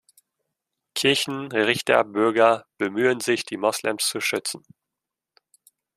Kirchen, Richter, Bürger, Nbemühen sich, die Moslems zu schützen.